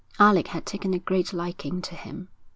Alec had taken a great liking to him.